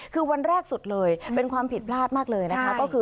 คือวันแรกสุดเลยเป็นความผิดพลาดมากเลยนะคะก็คือ